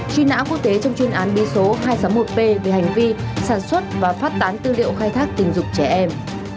truy nã quốc tế trong chuyên án bí số hai trăm sáu mươi một p về hành vi sản xuất và phát tán tư liệu khai thác tình dục trẻ em